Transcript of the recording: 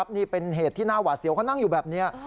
นี่เป็นเหตุที่หน้าหวาดเสียวเขานั่งอยู่แบบนี้